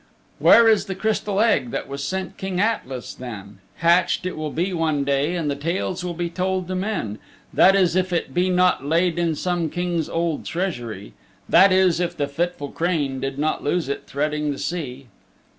Where is the Crystal Egg that was sent King Atlas then? Hatched it will be one day and the Tales will be told to men: That is if it be not laid in some King's old Treasury: That is if the fitful Crane did not lose it threading the Sea!